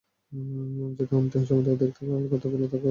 যদি অন্তহীন সমুদ্র দেখতে পাওয়ার কথা বলে থাকো, তাহলে হ্যাঁ।